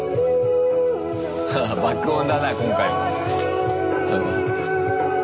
ハハ爆音だな今回も。